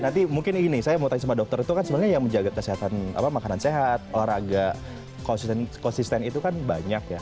nanti mungkin ini saya mau tanya sama dokter itu kan sebenarnya yang menjaga kesehatan makanan sehat olahraga konsisten itu kan banyak ya